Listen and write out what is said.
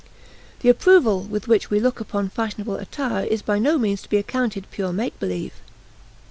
The approval with which we look upon fashionable attire is by no means to be accounted pure make believe.